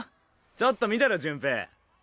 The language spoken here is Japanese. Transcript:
ちょっと見てろ潤平。